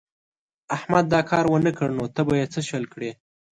احمد دا کار و نه کړ نو ته به يې څه شل کړې.